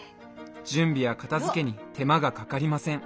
準備や片づけに手間がかかりません。